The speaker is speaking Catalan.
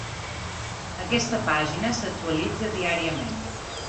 Aquesta pàgina s’actualitza diàriament.